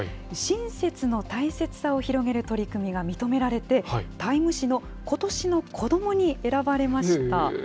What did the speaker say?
親切の大切さを広げる取り組みが認められて、タイム誌のことしの子どもに選ばれました。